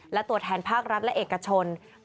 และตัวแทนภาครัฐและเอกชน